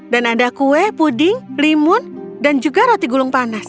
dan ada kue puding limun dan juga roti gulung panas